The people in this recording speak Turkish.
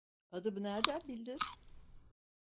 Adımı nereden bildin?